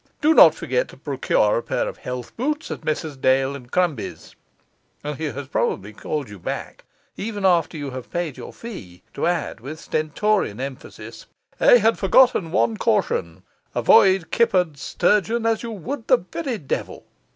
Do not forget to procure a pair of health boots at Messrs Dail and Crumbie's.' And he has probably called you back, even after you have paid your fee, to add with stentorian emphasis: 'I had forgotten one caution: avoid kippered sturgeon as you would the very devil.